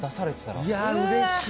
いやー、うれしい。